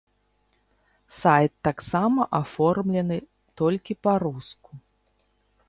Сайт таксама аформлены толькі па-руску.